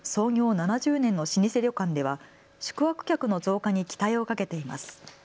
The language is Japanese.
７０年の老舗旅館では宿泊客の増加に期待をかけています。